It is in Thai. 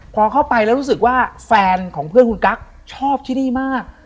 พอเข้าไปแล้วรู้สึกว่าแฟนของเพื่อนคุณกั๊กชอบที่นี่มาก